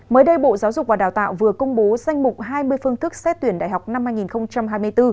mới đây bộ giáo dục và đào tạo vừa công bố danh mục hai mươi phương thức xét tuyển đại học năm hai nghìn hai mươi bốn